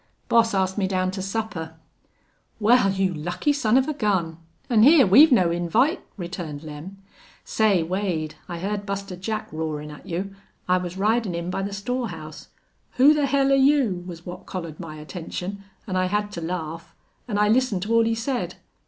"Boss asked me down to supper.' "Wal, you lucky son of a gun! An' hyar we've no invite," returned Lem. "Say, Wade, I heerd Buster Jack roarin' at you. I was ridin' in by the storehouse.... 'Who the hell are you?' was what collared my attention, an' I had to laugh. An' I listened to all he said.